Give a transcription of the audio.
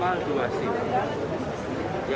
yang kedua jarak antar shift minimal dua jam